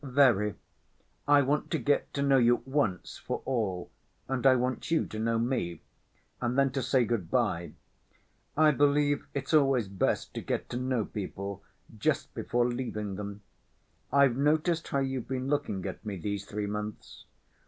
"Very. I want to get to know you once for all, and I want you to know me. And then to say good‐by. I believe it's always best to get to know people just before leaving them. I've noticed how you've been looking at me these three months.